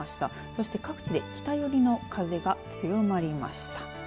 そして各地で北寄りの風が強まりました。